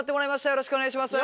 よろしくお願いします。